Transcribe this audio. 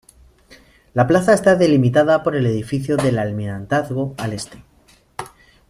La plaza está delimitada por el edificio del Almirantazgo al este.